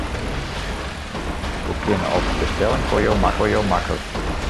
Boeketten kinne op bestelling foar jo makke wurde.